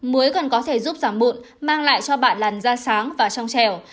muối còn có thể giúp giảm bụn mang lại cho bạn làn da sáng và trong trẻo